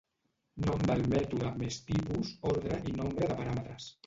Nom del mètode més tipus, ordre i nombre de paràmetres.